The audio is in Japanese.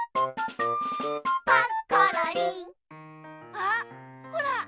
あっほら！